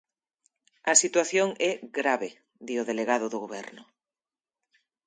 A situación é grave, di o delegado do Goberno.